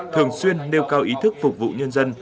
thường xuyên nêu cao ý thức phục vụ nhân dân